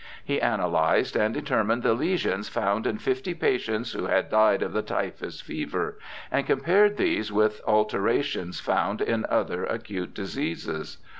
He analysed and deter mined the lesions found in fifty patients who had died of the typhus fever, and compared these with alterations found in other acute diseases.